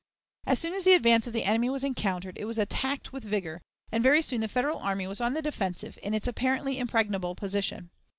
As soon as the advance of the enemy was encountered, it was attacked with vigor, and very soon the Federal army was on the defensive in its apparently impregnable position.